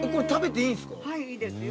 いいですよ。